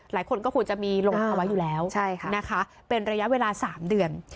หลายคนก็ควรจะมีลงภาวะอยู่แล้วนะคะเป็นระยะเวลา๓เดือน